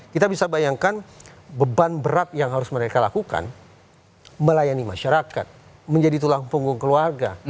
kita bisa bayangkan beban berat yang harus mereka lakukan melayani masyarakat menjadi tulang punggung keluarga